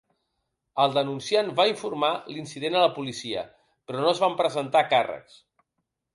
El denunciant va informar l'incident a la policia, però no es van presentar càrrecs.